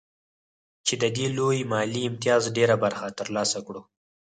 چې د دې لوی مالي امتياز ډېره برخه ترلاسه کړو